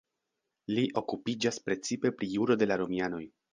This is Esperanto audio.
Li okupiĝas precipe pri juro de la romianoj.